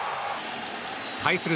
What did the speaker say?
対する